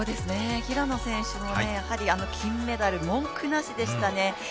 平野選手の金メダル文句なしでしたね。